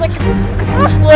gue mau sakit banget